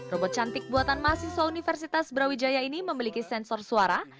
robot cantik buatan mahasiswa universitas brawijaya ini memiliki sensor suara